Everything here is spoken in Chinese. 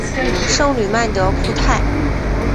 圣吕曼德库泰。